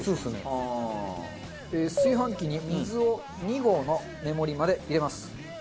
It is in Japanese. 炊飯器に水を２合の目盛りまで入れます。